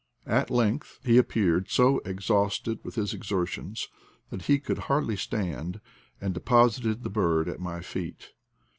At length he appeared, so exhausted with his exertions that he could hardly stand, and deposited the bird at my feet.